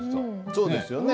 そうですよね。